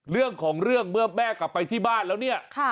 เรื่องของเรื่องเมื่อแม่กลับไปที่บ้านแล้วเนี่ย